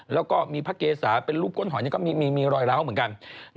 แล้วก็มีพระเกษาเป็นรูปก้นหอยนี่ก็มีรอยร้าวเหมือนกัน